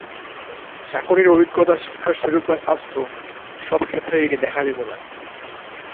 চাকুরির অভিজ্ঞতা, শিক্ষার সুযোগ বা স্বাস্থ্য, সব ক্ষেত্রেই এটি দেখা যেতে পারে।